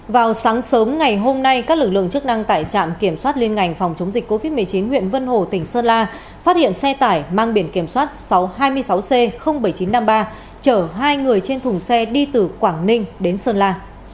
vào sáng sớm ngày hôm nay các lực lượng chức năng tại trạm kiểm soát liên ngành phòng chống dịch covid một mươi chín huyện vân hồ tỉnh sơn la phát hiện xe tải mang biển kiểm soát sáu trăm sáu c bảy nghìn chín trăm năm mươi ba chở hai người trên thùng xe đi từ quảng ninh đến sơn la